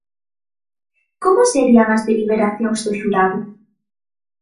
¿Como serían as deliberacións do xurado?